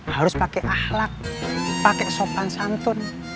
harus pakai ahlak pakai sopan santun